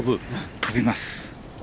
飛びます。